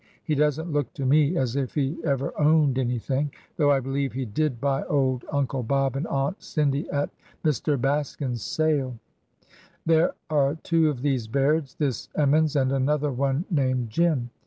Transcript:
He does n't look to me as if he ever ozvned anything, though I believe he did buy old Uncle Bob and Aunt Cindy at Mr. Baskin's sale. There are two of these Bairds— this Emmons and another one named Jim."